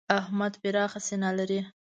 احمد پراخه سینه لري.